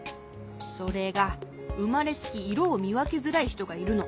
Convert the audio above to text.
それがうまれつきいろをみわけづらいひとがいるの。